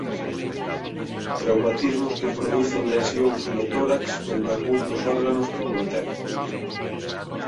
Traumatismos que producen lesións no tórax ou nalgún dos órganos que contén.